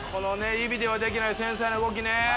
指ではできない繊細な動きね